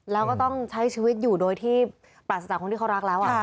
แล้วก็ต้องใช้ชีวิตอยู่โดยที่ปราศจากคนที่เขารักแล้ว